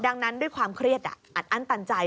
ดังนั้นด้วยความเครียดอัดอั้นตันใจ